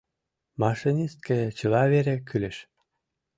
Машинистке чыла вере кӱлеш».